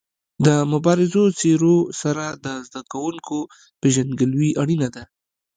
د مبارزو څېرو سره د زده کوونکو پيژندګلوي اړینه ده.